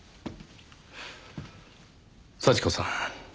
幸子さん。